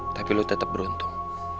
tapi lo tetep beruntung